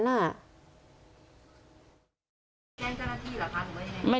แจ้งจรภีร์หรือครับท่านหุ้ยแม่